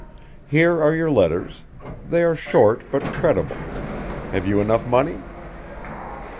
Here are your letters, they are short but credible. Have you enough money?"